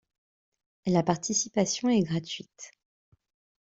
La participation est gratuite.